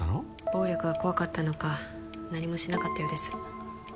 暴力が怖かったのか何もしなかったようです